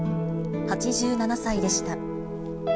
８７歳でした。